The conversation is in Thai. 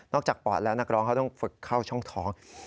จากปอดแล้วนักร้องเขาต้องฝึกเข้าช่องท้อง